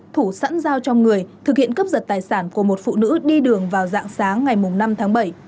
thủ sẵn giao cho người thực hiện cướp giật tài sản của một phụ nữ đi đường vào dạng sáng ngày năm tháng bảy